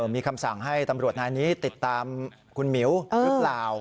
มีคำสั่งให้ตำรวจนายนี้ติดตามคุณหมิวหรือเปล่า